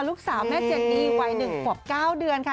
ลูกสาวแม่เจนนี่วัย๑ขวบ๙เดือนค่ะ